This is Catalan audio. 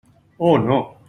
Oh, no.